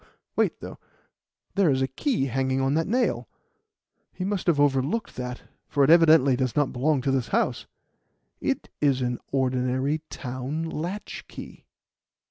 Wait, though. There is a key hanging on that nail. He must have overlooked that, for it evidently does not belong to this house. It is an ordinary town latchkey."